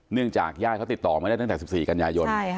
เนื่องจากญาติเขาติดต่อไม่ได้ตั้งแต่๑๔กันยายน